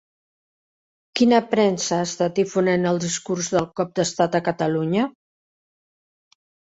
Quina premsa ha estat difonent el discurs del cop d'estat a Catalunya?